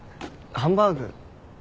ハンバーグ。